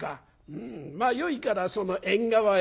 「うんまあよいからその縁側へお掛け。